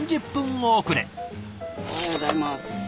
おはようございます。